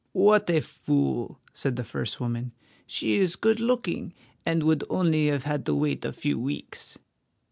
"What a fool!" said the first woman. "She is good looking, and would only have had to wait a few weeks."